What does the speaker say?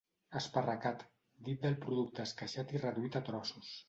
esparracat: dit del producte esqueixat i reduït a trossos